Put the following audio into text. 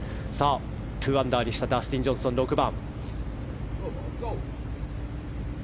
２アンダーにしたダスティン・ジョンソン、６番。